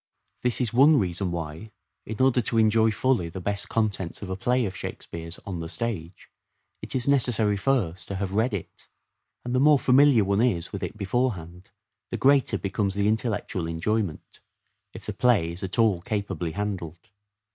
This is one reason why, in order to enjoy fully the best contents of a play of Shake speare's on the stage, it is necessary first to have read it ; and the more familiar one is with it beforehand the greater becomes the intellectual enjoyment, if the play is at all capably handled.